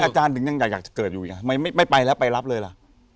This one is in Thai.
อาจารย์ถึงยังอยากจะเกิดอยู่อีกไม่ไปแล้วไปรับเลยล่ะ